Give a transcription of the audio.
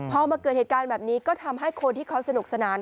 พอมาเกิดเหตุการณ์แบบนี้ก็ทำให้คนที่เขาสนุกสนาน